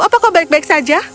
apakah kau baik baik saja